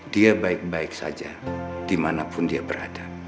dia baik baik saja di mana pun dia berada